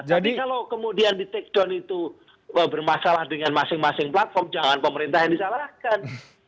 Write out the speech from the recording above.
jadi kalau kemudian di take down itu bermasalah dengan masing masing platform jangan pemerintah yang disalahkan